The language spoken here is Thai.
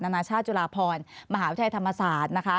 นานาชาติจุฬาพรมหาวิทยาลัยธรรมศาสตร์นะคะ